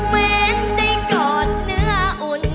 เหมือนได้กอดเนื้ออุ่น